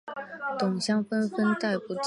董相纷纷逮捕击杖。